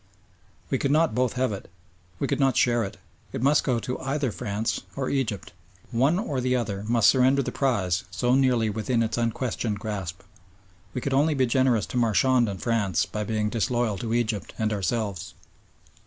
We could not both have it. We could not share it. It must go to either France or Egypt. One or the other must surrender the prize so nearly within its unquestioned grasp. We could only be generous to Marchand and France by being disloyal to Egypt and ourselves.